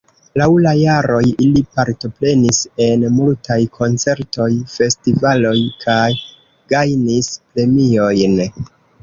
Laŭ la jaroj ili partoprenis en multaj koncertoj, festivaloj kaj gajnis premiojn.